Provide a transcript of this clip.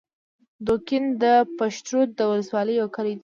دوکین د پشترود د ولسوالۍ یو کلی دی